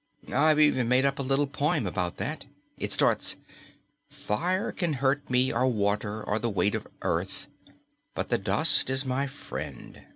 "I've even made up a little poem about that. It starts, 'Fire can hurt me, or water, or the weight of Earth. But the dust is my friend.'